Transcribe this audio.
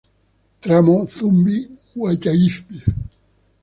Tramo Zumbi-Guayzimi.